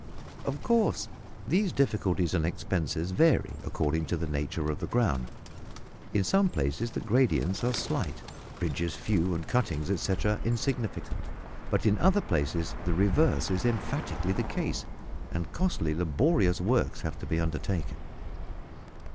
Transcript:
Of course these difficulties and expenses vary according to the nature of the ground. In some places the gradients are slight, bridges few, and cuttings, etcetera, insignificant; but in other places the reverse is emphatically the case, and costly laborious works have to be undertaken.